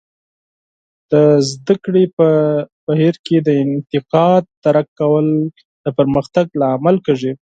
د زده کړې په بهیر کې د انتقاد درک کول د پرمختګ لامل کیږي.